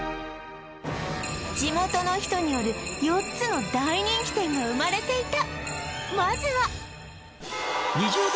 地元の人による４つの大人気店が生まれていた